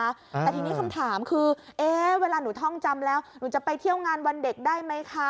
แต่ทีนี้คำถามคือเอ๊ะเวลาหนูท่องจำแล้วหนูจะไปเที่ยวงานวันเด็กได้ไหมคะ